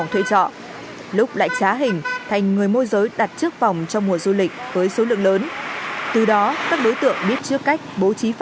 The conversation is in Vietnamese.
hẹn gặp lại